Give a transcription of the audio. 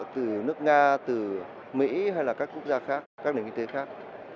từ nước nga từ mỹ hay là các quốc gia khác các nền kinh tế khác